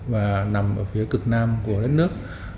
và nằm ở phía cực nam của đất nước